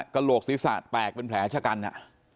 กระโหลกศรีษะแปลกเป็นแผลกัณฑ์อ่ะ